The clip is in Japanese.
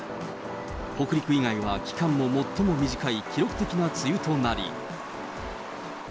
北陸以外は期間も最も短い記録的な梅雨となり。